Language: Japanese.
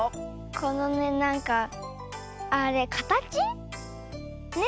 このねなんかあれかたち？ね？